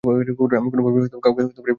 আমি কোনোভাবেই কাউকে এ ব্যাপারে বলব না।